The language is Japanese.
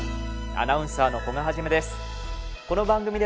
アナウンサーの古賀一です。